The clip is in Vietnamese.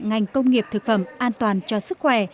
ngành công nghiệp thực phẩm an toàn cho sức khỏe